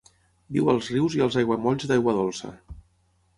Viu als rius i als aiguamolls d'aigua dolça.